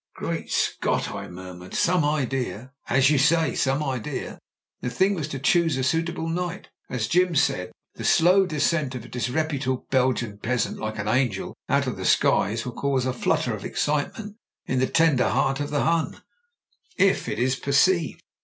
'* "Great Scot," I murmured. "Some idea." "As you say — some idea. The thing was to choose a suitable night. As Jim said, *ihe slow descent of a disreputable Belgian peasant like an angel out of the skies will cause a flutter of excitement in the ten der heart of the Hun if it is perceived.